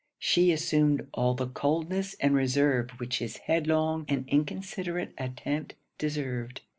She assumed all the coldness and reserve which his headlong and inconsiderate attempt deserved.